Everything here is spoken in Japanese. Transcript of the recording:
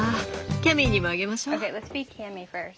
キャミーにもあげましょう。